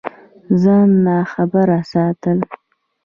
ځان ناخبره ساتل